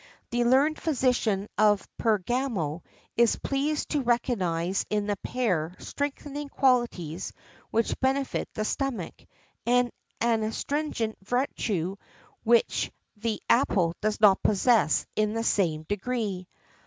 The learned physician of Pergamo is pleased to recognise in the pear strengthening qualities which benefit the stomach, and an astringent virtue which the apple does not possess in the same degree.